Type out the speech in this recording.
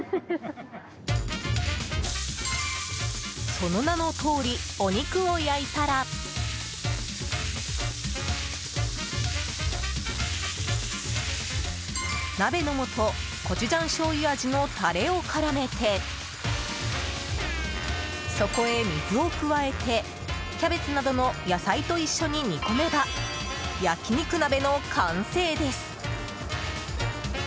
その名のとおりお肉を焼いたら鍋の素コチュジャンしょうゆ味のタレを絡めてそこへ水を加えてキャベツなどの野菜と一緒に煮込めば焼き肉鍋の完成です！